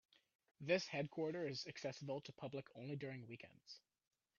This headquarter is accessible to public only during weekends.